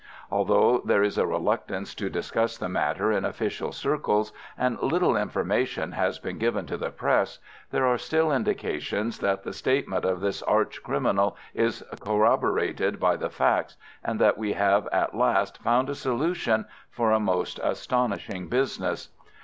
Although there is a reluctance to discuss the matter in official circles, and little information has been given to the Press, there are still indications that the statement of this arch criminal is corroborated by the facts, and that we have at last found a solution for a most astounding business.